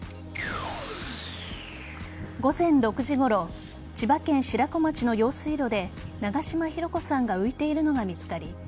午前６時ごろ千葉県白子町の用水路で長嶋弘子さんが浮いているのが見つかり